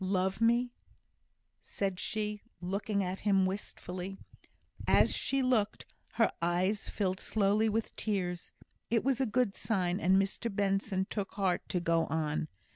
"Love me!" said she, looking at him wistfully. As she looked, her eyes filled slowly with tears. It was a good sign, and Mr Benson took heart to go on.